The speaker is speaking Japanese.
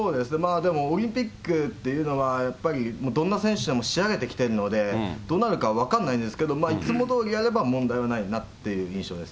でもオリンピックっていうのは、やっぱりどんな選手でも仕上げてきてるので、どうなるか分かんないですけど、いつもどおりやれば問題がないかなっていう印象です。